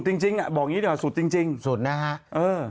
ขึ้นไปปุ๊บมันจะไม่เห็นหมาเลย